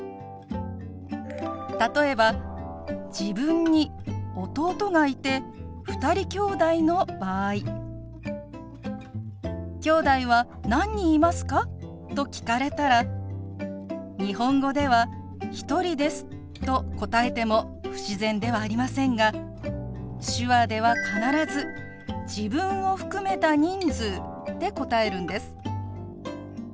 例えば自分に弟がいて２人きょうだいの場合「きょうだいは何人いますか？」と聞かれたら日本語では「１人です」と答えても不自然ではありませんが手話では必ず自分を含めた人数で答えるんです。